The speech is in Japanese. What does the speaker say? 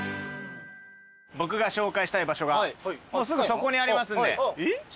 僕が紹介したい場所がもうすぐそこにありますんで。